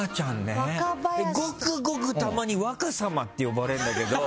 ごくごくたまに若様って呼ばれるんだけど。